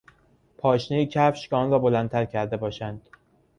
پاشنهی کفش که آن را بلندتر کرده باشند